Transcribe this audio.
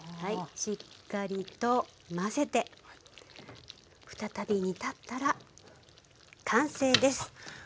しっかりと混ぜて再び煮たったら完成です。